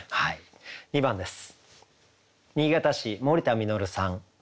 ２番です。